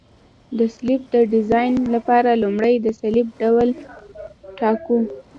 د سلب د ډیزاین لپاره لومړی د سلب ډول ټاکو